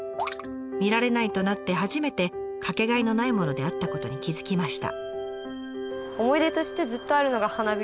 見られないとなって初めてかけがえのないものであったことに気付きました。